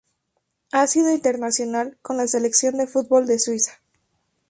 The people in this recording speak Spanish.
Ha sido internacional con la Selección de fútbol de Suiza.